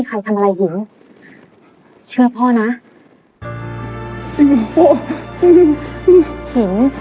เก่งมากครับเก่งมาก